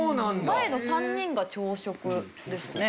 前の３人が朝食ですね。